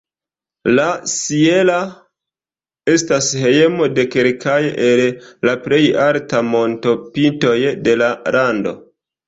La "sierra" estas hejmo de kelkaj el la plej altaj montopintoj de la lando.